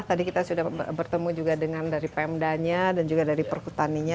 tadi kita sudah bertemu juga dengan dari pemdanya dan juga dari perhutaninya